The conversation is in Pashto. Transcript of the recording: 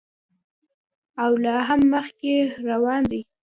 او لا هم مخکې روان دی.